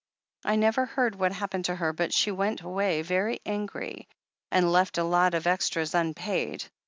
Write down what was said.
I never heard what happened to her, but she went away very angry, and left a lot of extras unpaid.